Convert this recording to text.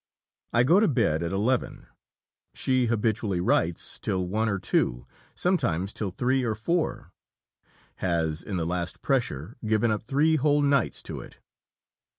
I go to bed at 11; she habitually writes till 1 or 2, sometimes till 3 or 4; has in the last pressure given up 3 whole nights to it.